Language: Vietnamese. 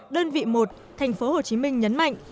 đơn vị một tp hcm nhấn mạnh